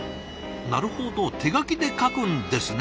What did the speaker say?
なるほど手書きで書くんですね。